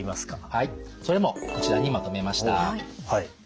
はいそれもこちらにまとめました。